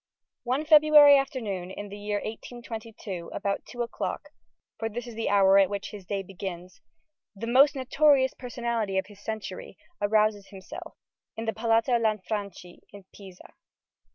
One February afternoon in the year 1822, about two o'clock, for this is the hour at which his day begins, "the most notorious personality of his century" arouses himself, in the Palazzo Lanfranchi at Pisa.